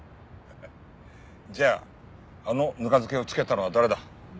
じゃああのぬか漬けを漬けたのは誰だ？